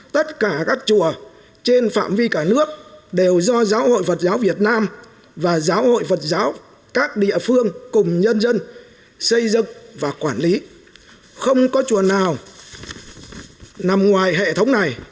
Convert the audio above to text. tất cả các chùa trên phạm vi cả nước đều do giáo hội phật giáo việt nam và giáo hội phật giáo các địa phương cùng nhân dân xây dựng và quản lý không có chùa nào nằm ngoài hệ thống này